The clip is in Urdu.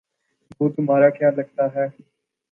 وہ تمہارا کیا لگتا ہے